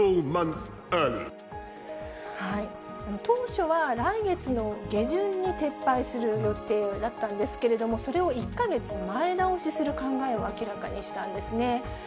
当初は、来月の下旬に撤廃する予定だったんですけれども、それを１か月前倒しする考えを明らかにしたんですね。